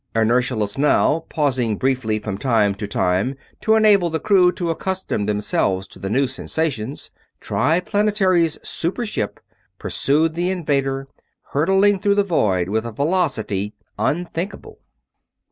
Inertialess now, pausing briefly from time to time to enable the crew to accustom themselves to the new sensations, Triplanetary's super ship pursued the invader; hurtling through the void with a velocity unthinkable.